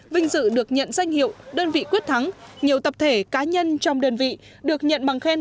vinh dự được nhận danh hiệu đơn vị quyết thắng nhiều tập thể cá nhân trong đơn vị được nhận bằng khen